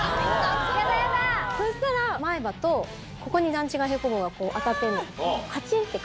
そしたら前歯とここに段違い平行棒が当たって。